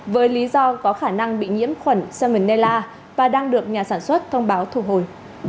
với lý do có khả năng bị nhiễm khuẩn salmonella và đang được nhà sản xuất thông báo thu hồi